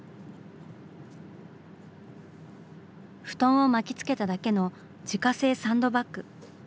布団を巻きつけただけの自家製サンドバッグ。